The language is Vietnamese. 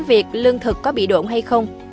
việc lương thực có bị độn hay không